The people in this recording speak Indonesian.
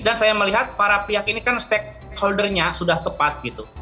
dan saya melihat para pihak ini kan stakeholder nya sudah tepat gitu